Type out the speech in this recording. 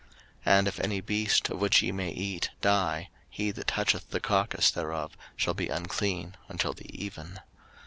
03:011:039 And if any beast, of which ye may eat, die; he that toucheth the carcase thereof shall be unclean until the even.